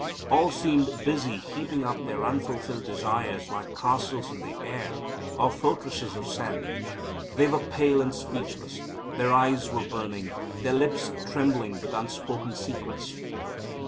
All seemed busy heaping up their unfulfilled desires like castles in the air, or fortresses of sand. They were pale and speechless, their eyes were burning, their lips trembling with unspoken secrets.